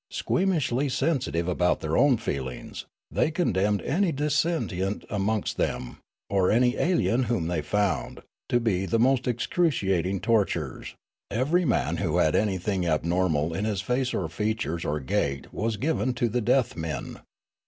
Squeamishly sens itive about their own feelings^ they condemned any dissentient amongst them, or any alien whom they found, to the most excruciating tortures ; every man who had anything abnormal in his face or features or gait was given to the death men.